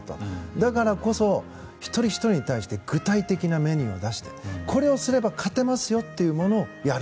だからこそ、一人ひとりに対して具体的なメニューを出してこれをすれば勝てますよというものをやる。